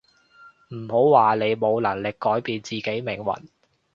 唔好話你冇能力改變自己命運